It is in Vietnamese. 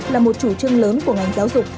là một chủ trương lớn của ngành giáo dục